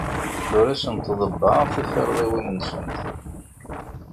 Ur asent-ḍebbɛeɣ tikarḍiwin-nsent.